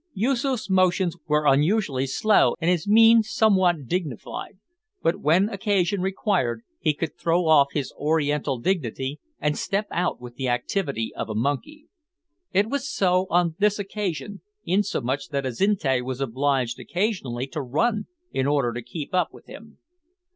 Yoosoof's motions were usually slow and his mien somewhat dignified, but, when occasion required, he could throw off his Oriental dignity and step out with the activity of a monkey. It was so on this occasion, insomuch that Azinte was obliged occasionally to run in order to keep up with him.